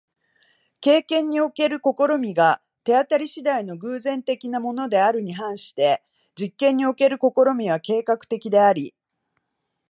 経験における試みが手当り次第の偶然的なものであるに反して、実験における試みは計画的であり、